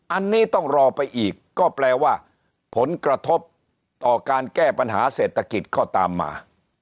อันนี้ต้องรอไปอีกก็แปลว่าผลกระทบต่อการแก้ปัญหาเศรษฐกิจก็ตามมา